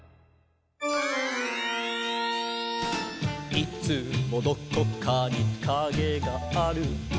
「いつもどこかにカゲがある」